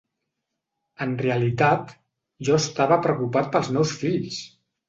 En realitat, jo estava preocupat pels meus fills!